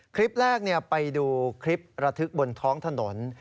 คลิปแรกไปดูคลิประทึกบนท้องถนน